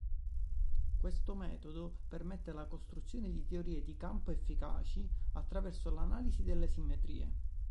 Questo metodo permette la costruzione di teorie di campo efficaci attraverso l'analisi delle simmetrie.